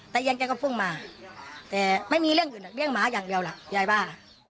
แกก็เพิ่งมาแต่ไม่มีเรื่องอื่นเรียกหมาอย่างเดียวล่ะยายบ้า